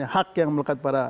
hak yang melekat pada